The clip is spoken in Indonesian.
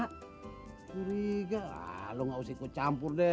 curiga lo gak usah ikut campur deh